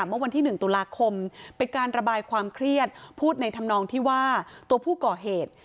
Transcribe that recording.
เมื่อวันที่๑ตุลาคมเป็นการระบายความเครียดพูดในธรรมนองที่ว่าตัวผู้ก่อเหตุ